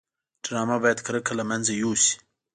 ډرامه باید کرکه له منځه یوسي